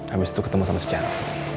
habis itu ketemu sama si jano